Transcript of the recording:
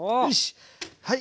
はい。